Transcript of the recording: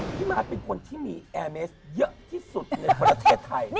พี่มาร์ทเป็นคนที่มีแอร์เมสเยอะที่สุดในประเทศไทย